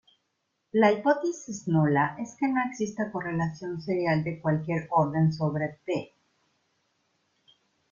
La hipótesis nula es que no exista correlación serial de cualquier orden sobre "p".